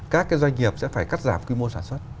các cái doanh nghiệp sẽ phải cắt giảm quy mô sản xuất